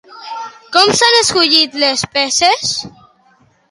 Com s'han escollit les peces?